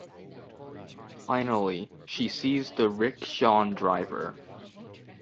Finally she sees the rickshaw driver.